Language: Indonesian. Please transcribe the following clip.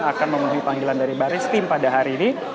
panji gumilang akan memenuhi panggilan dari barat srimpori pada hari ini